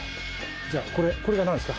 じゃあこれが何ですか？